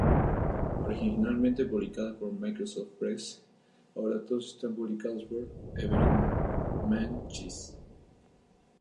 Originalmente publicada por "Microsoft Press", ahora todos están publicados por "Everyman Chess".